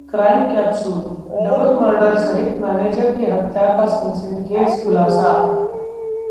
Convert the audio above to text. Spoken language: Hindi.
क्राइम कैप्सूल: डबल मर्डर सहित मैनेजर की हत्या का सनसनीखेज खुलासा